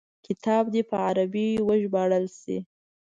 کتاب دي په عربي وژباړل شي.